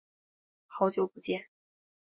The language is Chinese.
好久不见。